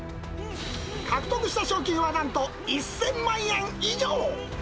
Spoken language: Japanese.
獲得した賞金はなんと１０００万円以上。